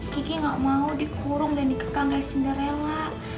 kiki gak mau dikurung dan dikekang kayak cinderella